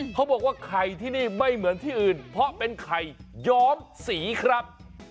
เขาบอกว่าไข่ที่นี่ไม่เหมือนที่อื่นเพราะเป็นไข่ย้อมสีครับ